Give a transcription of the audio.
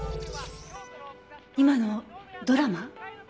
今のドラマ？